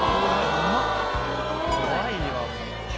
うまいわ。